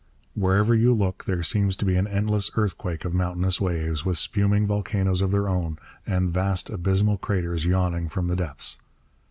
Wherever you look there seems to be an endless earthquake of mountainous waves, with spuming volcanoes of their own, and vast, abysmal craters yawning from the depths.